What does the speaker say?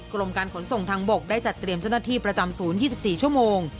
กรมการขนส่งทางบกได้จัดเตรียมเจ้าหน้าที่ประจำศูนย์๒๔ชั่วโมง